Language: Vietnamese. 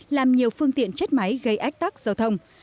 làm nhiều phương tiện chết máy gây ách tắc giao thông